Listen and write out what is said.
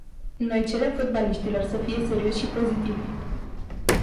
Noi cerem fotbaliștilor să fie serioși și pozitivi.